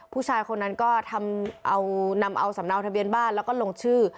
ผู้ชายคนนั้นก็นำเอาสำเนาทะเบียนบ้านแล้วก็ลงชื่อ